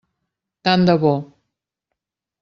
Tant de bo!